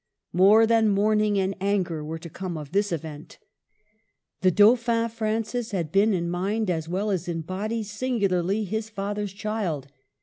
More than mourning and anger were to come of this event. The Dauphin, Francis, had been, in mind as well as in body, singularly his father's child.